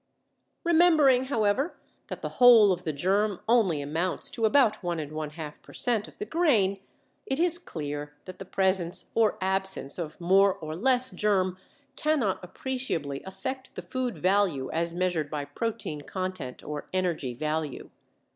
Remembering, however, that the whole of the germ only amounts to about 1½ per cent. of the grain, it is clear that the presence or absence of more or less germ cannot appreciably affect the food value as measured by protein content or energy value.